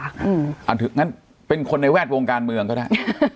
อย่างนั้นเป็นคนในแวดวงการเมืองก็ได้